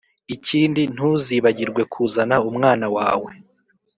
ikindi ntuzibagirwe kuzana umwana wawe